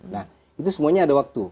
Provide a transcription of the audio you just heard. nah itu semuanya ada waktu